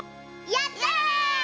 やった！